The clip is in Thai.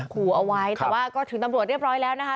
ขู่เอาไว้แต่ว่าก็ถึงตำรวจเรียบร้อยแล้วนะคะ